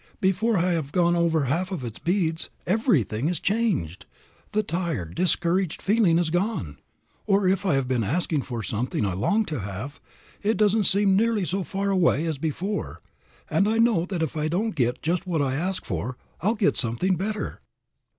Before I have gone over half of its beads, everything is changed. The tired, discouraged feeling is gone, or if I have been asking for something I long to have, it doesn't seem nearly so far away as before; and I know that if I don't get just what I ask for, I'll get something better."